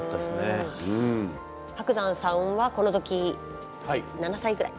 伯山さんはこの時７歳ぐらい。